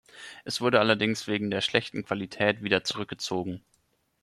Es wurde allerdings wegen der schlechten Qualität wieder zurückgezogen.